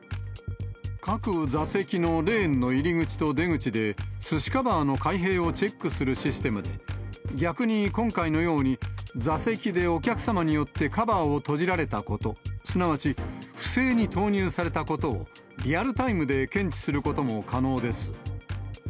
各座席のレーンの入り口と出口で、すしカバーの開閉をチェックするシステムで、逆に今回のように座席でお客様によってカバーを閉じられたこと、すなわち不正に投入されたことをリアルタイムで検知することも可能です。